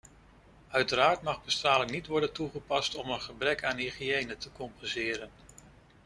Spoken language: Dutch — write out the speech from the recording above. Uiteraard mag bestraling niet worden toegepast om een gebrek aan hygiëne te compenseren.